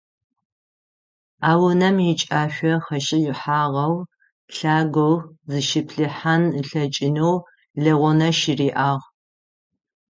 А унэм икӏашъо хэшӏыхьагъэу, лъагэу, зыщиплъыхьэн ылъэкӏынэу лэгъунэ щыриӏагъ.